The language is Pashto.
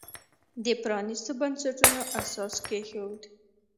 د پرانیستو بنسټونو اساس کېښود.